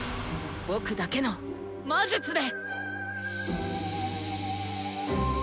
僕だけの魔術で！